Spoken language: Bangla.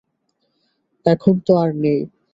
এখন তো আর নেই।